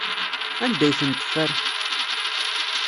Anda ay ten-teffer?